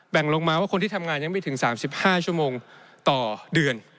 ลงมาว่าคนที่ทำงานยังไม่ถึง๓๕ชั่วโมงต่อเดือน